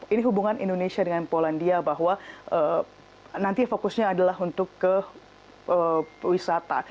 ini hubungan indonesia dengan polandia bahwa nanti fokusnya adalah untuk ke wisata